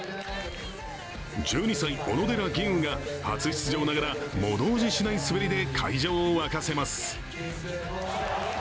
１２歳、小野寺吟雲が初出場ながら物おじしない滑りで会場を沸かせます。